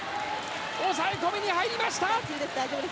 抑え込みに入りました。